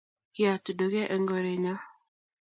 kiyat duke eng' kore nyo